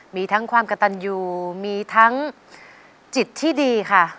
มีทั้งความกระตันอยู่มีทั้งจิตที่ดีค่ะ